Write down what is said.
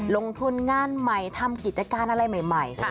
ลงทุนงานใหม่ทำกิจการอะไรใหม่